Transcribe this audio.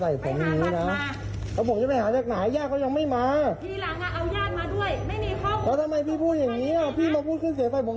ทางทางที่แรกรู้จักการซักประวัติไหมว่ามันต้องศักดิ์อะไรมาบ้างเวลาที่จะเอาคุณไข้มาส่งอ่ะ